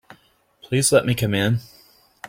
Please let me come in.